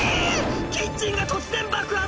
キッチンが突然爆発！